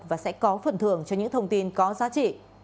và sẽ có phần thưởng cho những thông tin có giá trị